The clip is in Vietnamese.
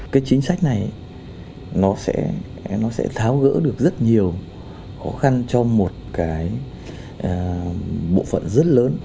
cái chính sách này nó sẽ tháo gỡ được rất nhiều khó khăn cho một cái bộ phận rất lớn